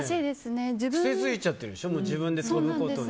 癖がついちゃってるでしょ。